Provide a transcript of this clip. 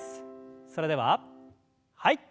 それでははい。